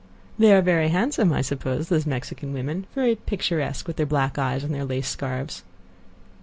"They are very handsome, I suppose, those Mexican women; very picturesque, with their black eyes and their lace scarfs."